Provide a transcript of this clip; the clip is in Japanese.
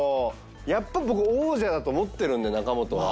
やっぱ僕王者だと思ってるんで中本は。